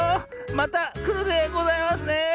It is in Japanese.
またくるでございますね。